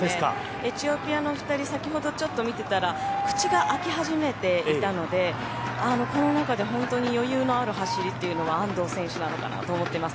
エチオピアのお２人先ほど見ていたら口があき始めていたのでこの中で本当に余裕のある走りというのは安藤選手なのかなと思っています。